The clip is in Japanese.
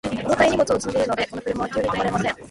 重たい荷物を積んでいるので、この車は急に止まれません。